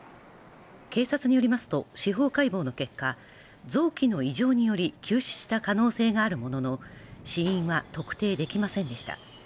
警察によりますと司法解剖の結果臓器の異常により急死した可能性があるものの死因は特定できませんでした